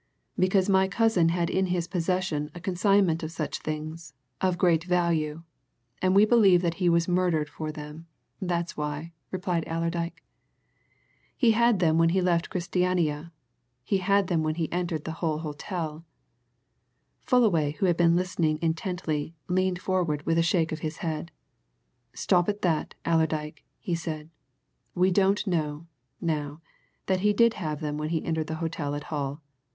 "Because my cousin had in his possession a consignment of such things, of great value, and we believe that he was murdered for them that's why," replied Allerdyke. "He had them when he left Christiania he had them when he entered the Hull hotel " Fullaway, who had been listening intently, leant forward with a shake of his head. "Stop at that, Allerdyke," he said. "We don't know, now, that he did have them when he entered the hotel at Hull!